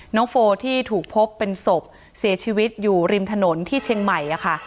โฟที่ถูกพบเป็นศพเสียชีวิตอยู่ริมถนนที่เชียงใหม่ค่ะ